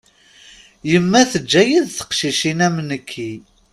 Yemma teǧǧa-iyi d teqcicin am nekki.